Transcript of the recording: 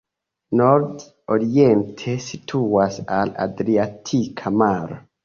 Nord-oriente situas la Adriatika maro.